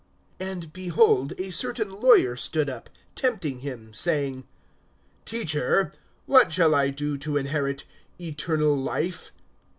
(25)And, behold, a certain lawyer stood up, tempting him, saying: Teacher, what shall I do to inherit eternal life?